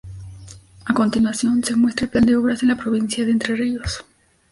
A continuación se muestra el plan de obras en la provincia de Entre Ríos.